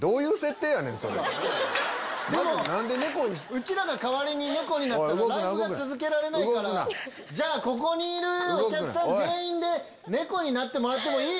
うちらが代わりに猫になったらライブ続けられないからここにいるお客さん全員で猫になってもらっていい？